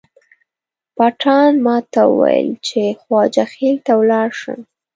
پټان ماته وویل چې خواجه خیل ته ولاړ شم.